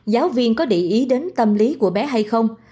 giáo viên có để ý đến tâm lý của bé hay không